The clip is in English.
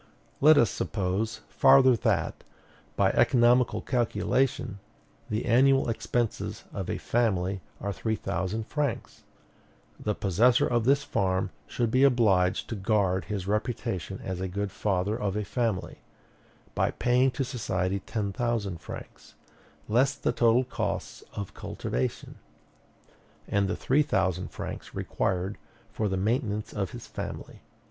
Let us suppose farther that, by economical calculation, the annual expenses of a family are three thousand francs: the possessor of this farm should be obliged to guard his reputation as a good father of a family, by paying to society ten thousand francs, less the total costs of cultivation, and the three thousand francs required for the maintenance of his family.